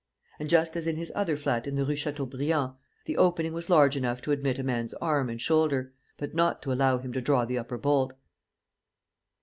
And, just as in his other flat in the Rue Chateaubriand, the opening was large enough to admit a man's arm and shoulder, but not to allow him to draw the upper bolt.